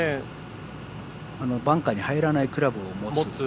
バンカーに入らないクラブを持つ。